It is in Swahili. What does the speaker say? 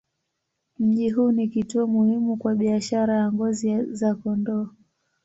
Mji huu ni kituo muhimu kwa biashara ya ngozi za kondoo.